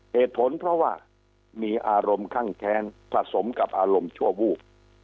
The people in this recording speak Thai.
เหตุผลเพราะว่ามีอารมณ์คั่งแค้นผสมกับอารมณ์ชั่ววูบ